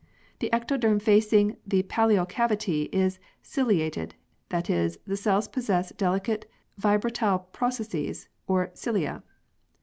The ectoderm facing the pallial cavity is ciliated, that is, the cells possess delicate vibratile processes or " cilia."